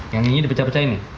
yang ini dipecah pecahin nih